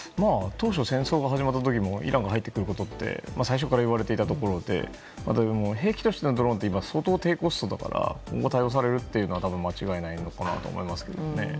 当初、戦争が始まった時もイランが入ってくるだろうと最初から言われていたところで兵器としてのドローンって今、相当低コストだから今後多用されるのは間違いないのかなと思いますけどね。